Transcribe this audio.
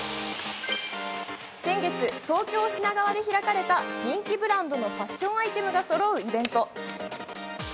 先月、東京・品川で開かれた人気ブランドのファッションアイテムがそろうイベント。